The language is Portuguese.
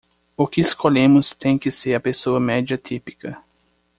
O que escolhemos tem que ser a pessoa média típica.